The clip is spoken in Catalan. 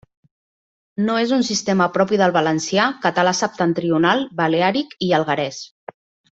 No és un sistema propi del valencià, català septentrional, baleàric i alguerès.